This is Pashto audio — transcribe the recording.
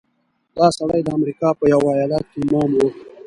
دا سړی د امریکا په یوه ایالت کې امام و.